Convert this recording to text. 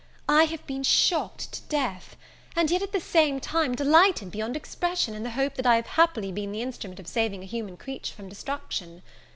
I have been shocked to death; and yet at the same time delighted beyond expression, in the hope that I have happily been the instrument of saving a human creature from destruction.